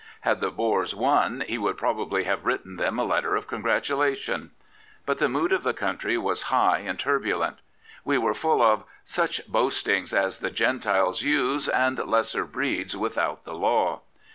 Had the Boers won he would probably have written them a letter of congratulation. But the mood of the country was high and turbulent. We were full of Such boastings as the Gentiles use, And lesser breeds without the law.